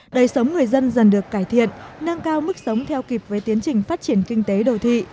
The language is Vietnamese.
đời sống người dân dần được cải thiện nâng cao mức sống theo kịp với tiến trình phát triển kinh tế đô thị